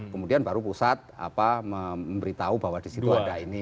kemudian baru pusat apa memberitahu bahwa disitu ada ini